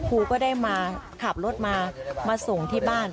ครูก็ได้มาขับรถมามาส่งที่บ้าน